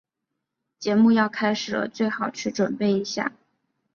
节目要开始了，最好去准备一下。